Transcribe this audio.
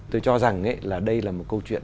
tôi cho rằng đây là một câu chuyện